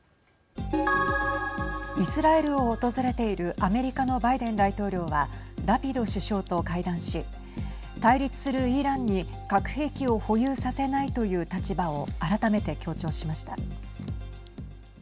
イスラエルを訪れているアメリカのバイデン大統領はラピド首相と会談し対立するイランに、核兵器を保有させないという立場を改めて強調しました。